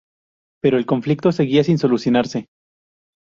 Pero el conflicto seguía sin solucionarse.